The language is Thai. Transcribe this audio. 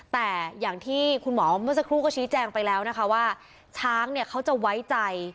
แต่อย่างที่คุณหมอเมื่อสักครู่ก็ชี้แจงไปแล้วนะคะว่าช้างเนี่ยเขาจะไว้ใจ